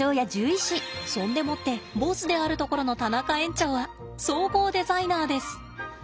そんでもってボスであるところの田中園長は総合デザイナーです。